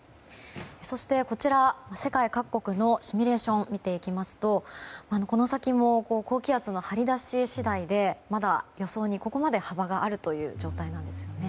そして、世界各国のシミュレーション見ていきますとこの先も高気圧の張り出し次第でまだ予想にここまで幅があるという状態なんですね。